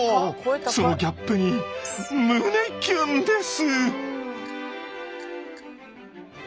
そのギャップに胸キュンです。